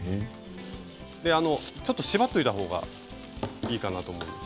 ちょっと口を縛っておいた方がいいかなと思います。